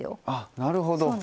あっなるほど。